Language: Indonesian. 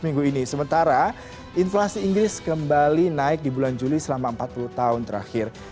minggu ini sementara inflasi inggris kembali naik di bulan juli selama empat puluh tahun terakhir